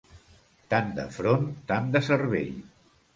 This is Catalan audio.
Tant de front, tant de cervell.